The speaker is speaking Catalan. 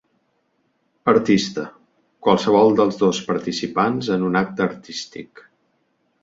Artista: qualsevol dels dos participants en un acte artístic.